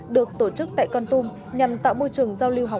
được tổ chức tại con tum nhằm tạo môi trường giao lưu học